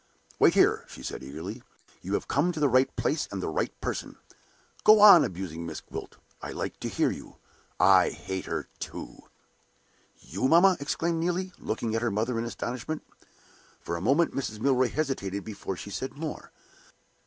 "Wait here!" she said, eagerly. "You have come to the right place and the right person. Go on abusing Miss Gwilt. I like to hear you I hate her, too!" "You, mamma!" exclaimed Neelie, looking at her mother in astonishment. For a moment Mrs. Milroy hesitated before she said more.